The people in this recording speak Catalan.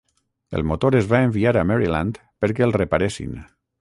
El motor es va enviar a Maryland perquè el reparessin.